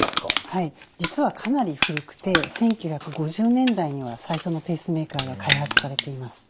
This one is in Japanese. はい実はかなり古くて１９５０年代には最初のペースメーカーが開発されています。